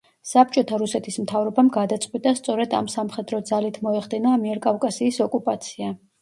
საბჭოთა რუსეთის მთავრობამ გადაწყვიტა, სწორედ ამ სამხედრო ძალით მოეხდინა ამიერკავკასიის ოკუპაცია.